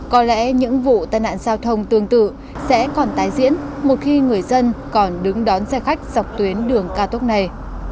có lẽ những vụ tai nạn giao thông tương tự sẽ còn tái diễn một khi người dân còn đứng đón xe khách dọc tuyến đường cao tốc này